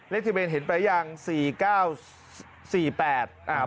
เลขทะเบียนเห็นไปหรือยัง๔๙๔๘